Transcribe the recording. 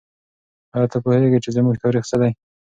آیا ته پوهېږې چې زموږ تاریخ څه دی؟